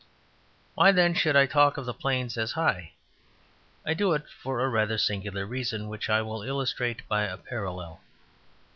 Why then should I talk of the plains as high? I do it for a rather singular reason, which I will illustrate by a parallel.